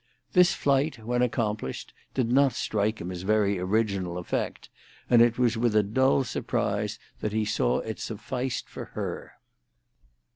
This flight, when accomplished, did not strike him as very original effect, and it was with a dull surprise that he saw it sufficed for her.